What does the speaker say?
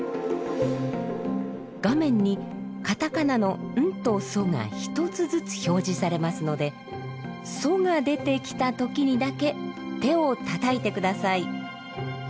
画面に片仮名の「ン」と「ソ」が１つずつ表示されますので「ソ」が出てきた時にだけ手をたたいて下さい。